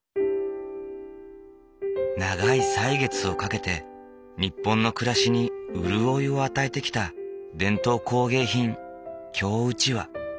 長い歳月をかけて日本の暮らしに潤いを与えてきた伝統工芸品京うちわ。